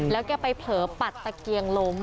แล้วแกไปเผลอปัดตะเกียงล้ม